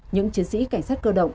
những chiến sĩ cảnh sát cơ động